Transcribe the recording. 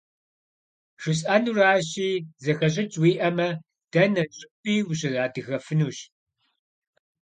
ЖысӀэнуращи, зэхэщӀыкӀ уиӀэмэ, дэнэ щӀыпӀи ущыадыгэфынущ.